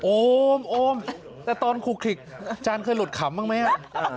โอมโอมแต่ตอนคลุกคลิกอาจารย์เคยหลุดขำบ้างไหม